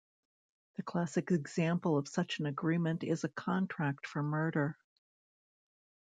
The classic example of such an agreement is a contract for murder.